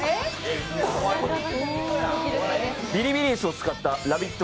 ビリビリ椅子を使った「ラヴィット！」